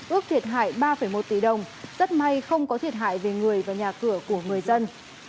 ước thiệt hại ba một tỷ đồng rất may không có thiệt hại về người và nhà cửa của người dân